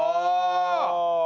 ああ！